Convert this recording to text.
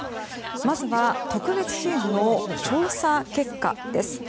まずは、特別チームの調査結果です。